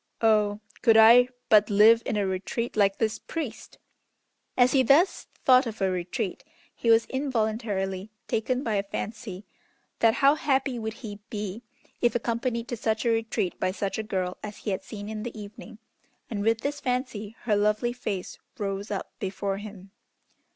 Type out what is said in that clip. "Oh, could I but live in a retreat like this priest!" As he thus thought of a retreat, he was involuntarily taken by a fancy, that how happy would he be if accompanied to such a retreat by such a girl as he had seen in the evening, and with this fancy her lovely face rose up before him.